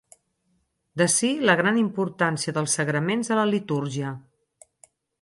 D'ací la gran importància dels sagraments a la litúrgia.